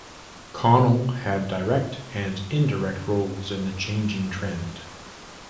Khanal had direct and indirect roles in the changing trend.